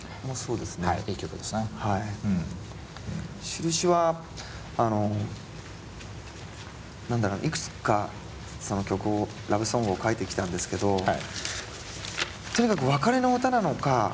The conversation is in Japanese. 「しるし」はあのいくつかその曲をラブソングを書いてきたんですけどとにかく別れの歌なのか